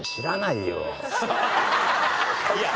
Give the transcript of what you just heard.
いや